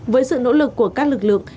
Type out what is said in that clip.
với sự nỗ lực của các lực lượng